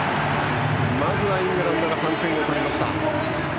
まずはイングランドが３点を取りました。